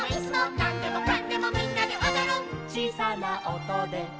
「なんでもかんでもみんなでおどる」「ちいさなおとでかんこんかん」